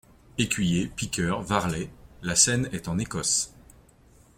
Écuyers, Piqueurs, Varlets., La scène est en Écosse.